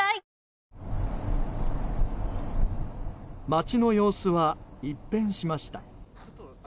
町の様子は一変しました。